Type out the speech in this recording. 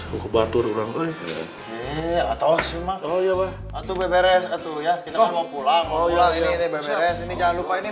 cukup batur orang orang ini